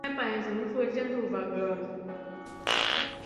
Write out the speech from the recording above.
圣马丁拉尔人口变化图示